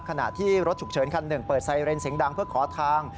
ขณะที่รถฉุกเฉินคันหนึ่งเปิดไซเรนเสียงดังเพื่อขอทาง